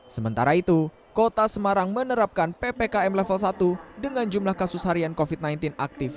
sementara itu kota semarang menerapkan ppkm level satu dengan jumlah kasus harian covid sembilan belas aktif